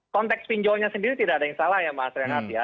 konteks pinjolnya sendiri tidak ada yang salah ya mas renat ya